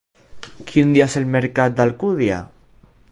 Quin dia és el mercat d'Alcúdia?